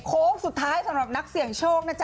โค้งสุดท้ายสำหรับนักเสี่ยงโชคนะจ๊